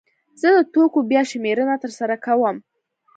زه د توکو بیا شمېرنه ترسره کوم.